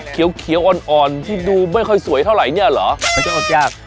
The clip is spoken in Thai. เขียวอ่อนที่ดูไม่ค่อยสวยเท่าไหร่เนี่ยเหรอมันจะออกยาก